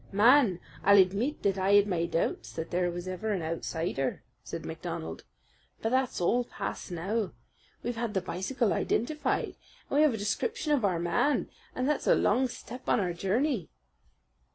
"Man, I'll admeet that I had my doubts if there was ever an outsider," said MacDonald, "but that's all past now. We've had the bicycle identified, and we have a description of our man; so that's a long step on our journey."